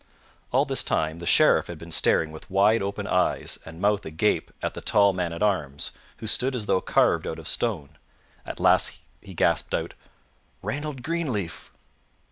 All this time the Sheriff had been staring with wide open eyes and mouth agape at the tall man at arms, who stood as though carved out of stone. At last he gasped out, "Reynold Greenleaf!"